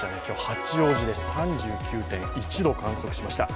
八王子で３９．１度を観測しました。